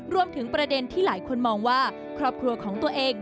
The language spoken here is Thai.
รวมถึงประเด็นที่หลายคนมองว่าครอบครัวของตัวเอง